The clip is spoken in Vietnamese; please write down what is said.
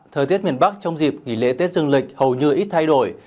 thời tiết miền bắc trong dịp nghỉ lễ tết dương lịch hầu như ít thay đổi